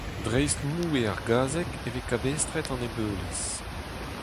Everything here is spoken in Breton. Dreist moue ar gazeg e vez kabestret an ebeulez.